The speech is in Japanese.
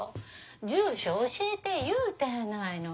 住所教えて言うたやないの。